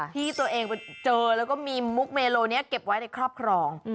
ที่ตัวเองไปเจอแล้วก็มีมุกเมโลนี้เก็บไว้ในครอบครอง